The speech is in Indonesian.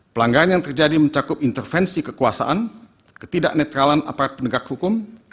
pelanggaran yang terjadi mencakup intervensi kekuasaan ketidaknetralan aparat pendegak hukum